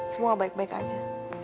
semua baik baik aja